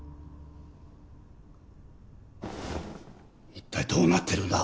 一体どうなってるんだ！